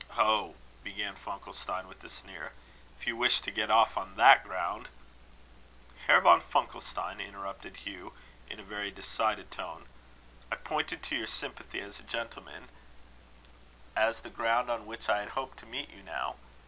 "Oh!" began Funkelstein, with a sneer, "if you wish to get off on that ground " "Herr von Funkelstein," interrupted Hugh, in a very decided tone, "I pointed to your sympathy as a gentleman, as the ground on which I had hoped to meet you now.